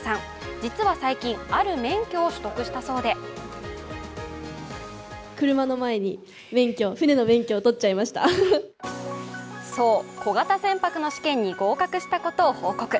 実は最近、ある免許を取得したそうでそう、小型船舶の試験に合格したことを報告。